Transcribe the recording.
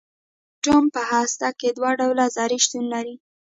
د اټوم په هسته کې دوه ډوله ذرې شتون لري.